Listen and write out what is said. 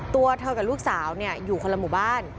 ตัวเธอกับลูกสาวอยู่คนละหมู่บ้าน